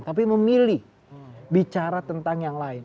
tapi memilih bicara tentang yang lain